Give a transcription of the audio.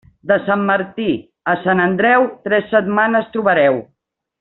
De Sant Martí a Sant Andreu, tres setmanes trobareu.